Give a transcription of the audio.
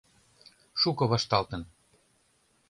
— Шуко вашталтын.